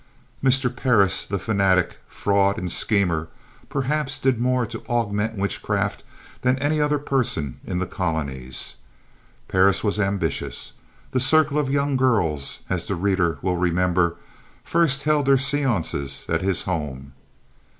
Mr. Parris, the fanatic, fraud and schemer, perhaps did more to augment witchcraft, than any other person in the colonies. Parris was ambitious. The circle of young girls, as the reader will remember, first held their séances at his home.